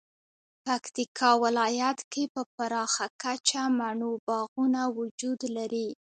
پکتیکا ولایت کې په پراخه کچه مڼو باغونه وجود لري